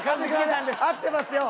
合ってますよ！